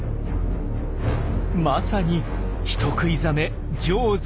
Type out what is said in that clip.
まさに人食いザメ「ジョーズ」